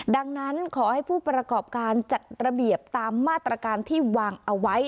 ดังนั้นขอให้ผู้ประกอบการจัดระเบียบตามมาตรการที่วางเอาไว้